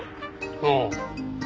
ああ。